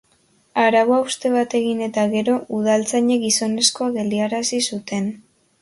Arau-hauste bat egin eta gero, udaltzainek gizonezkoa geldiarazi zuten.